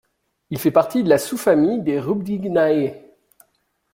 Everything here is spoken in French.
Il fait partie de la sous-famille des Rubidgeinae.